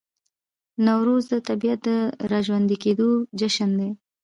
نوروز د طبیعت د راژوندي کیدو جشن دی.